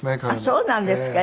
あっそうなんですか。